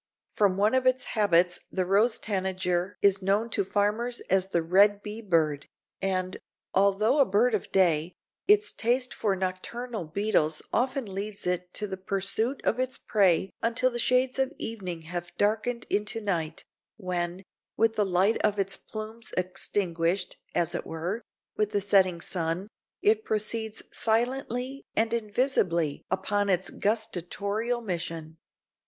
From one of its habits the Rose Tanager is known to farmers as the red bee bird, and, although a bird of day, its taste for nocturnal beetles often leads it to the pursuit of its prey until the shades of evening have darkened into night, when, with the light of its plumes extinguished, as it were, with the setting sun, it proceeds silently and invisibly upon its gustatorial mission.